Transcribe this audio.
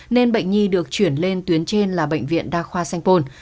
nên bệnh nhi được chuyển lên tuyến trên là bệnh viện đa khoa sanh pôn